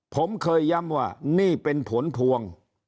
ผมเคยย้ำว่านี่เป็นผลพวง